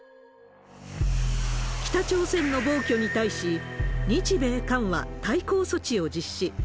北朝鮮の暴挙に対し、日米韓は対抗措置を実施。